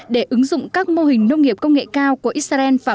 để ứng dụng các mô hình nông nghiệp công nghệ cao của israel vào nông nghiệp